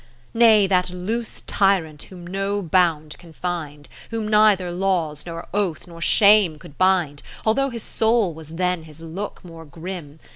Nay, that loose tyrant whom no bound confin'd, Whom neither laws, nor oaths, nor shame could bind, 30 Although his soul was than his look more grim.